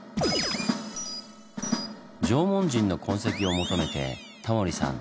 縄文人の痕跡を求めてタモリさん